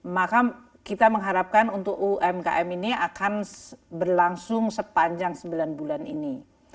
maka kita mengharapkan untuk umkm ini akan berlangsung sepanjang sembilan bulan ini